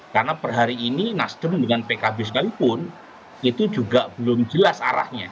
karena per hari ini nasdun dengan pkb sekalipun itu juga belum jelas arahnya